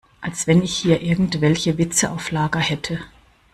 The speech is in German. Als wenn ich hier irgendwelche Witze auf Lager hätte!